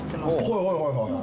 はいはいはいはい。